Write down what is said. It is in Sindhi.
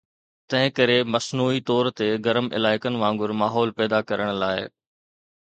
تنهن ڪري، مصنوعي طور تي گرم علائقن وانگر ماحول پيدا ڪرڻ لاء